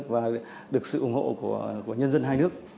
và được sự ủng hộ của nhân dân hai nước